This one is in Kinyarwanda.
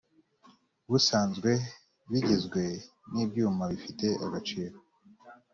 busanzwe bigizwe n ibyuma bifite agaciro